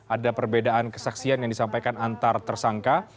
ada perbedaan kesaksian yang disampaikan antar tersangka